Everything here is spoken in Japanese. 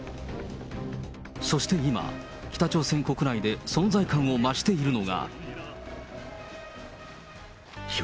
そして今、北朝鮮国内で存在感を増しているのが。